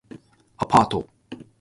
アパート